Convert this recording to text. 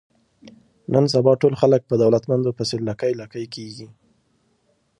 نن سبا ټول خلک په دولتمندو پسې لکۍ لکۍ کېږي.